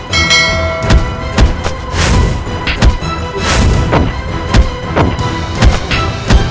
sehingga sampai ketemu kalian